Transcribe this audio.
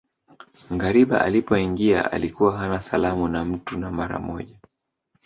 Ngariba alipoingia alikuwa hana salamu na mtu na mara moja